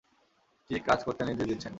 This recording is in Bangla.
কি কাজ করতে নির্দেশ দিচ্ছেন?